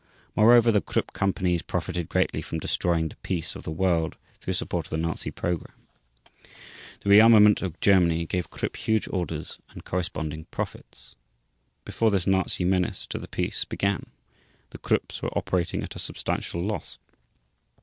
Moreover, the Krupp companies profited greatly from destroying the peace of the world through support of the Nazi program. The rearmament of Germany gave Krupp huge orders and corresponding profits. Before this Nazi menace to the peace began, the Krupps were operating at a substantial loss.